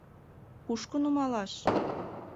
— Кушко нумалаш?